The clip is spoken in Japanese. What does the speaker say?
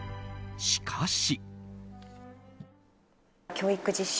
しかし。